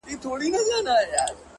داسي قبـاله مي په وجـود كي ده؛